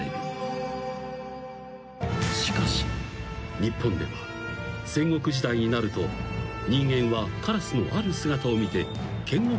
［しかし日本では戦国時代になると人間はカラスのある姿を見て嫌悪感を抱き始める］